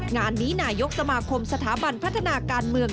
งานนี้นายกสมาคมสถาบันพัฒนาการเมือง